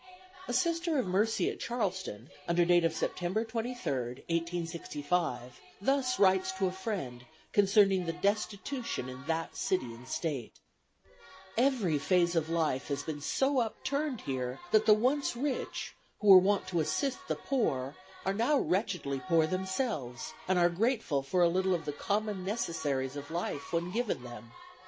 A Sister of Mercy at Charleston, under date of September 23, 1865, thus writes to a friend concerning the destitution in that city and State: "Every phase of life has been so upturned here that the once rich, who were wont to assist the poor, are now wretchedly poor themselves, and are grateful for a little of the common necessaries of life when given them.